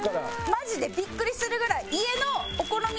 マジでビックリするぐらい。